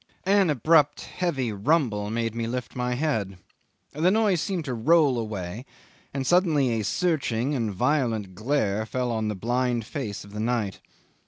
'An abrupt heavy rumble made me lift my head. The noise seemed to roll away, and suddenly a searching and violent glare fell on the blind face of the night.